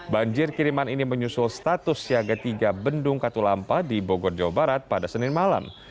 banjir kiriman ini menyusul status siaga tiga bendung katulampa di bogor jawa barat pada senin malam